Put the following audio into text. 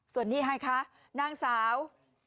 ส่วนนี้ให้คะนางสาว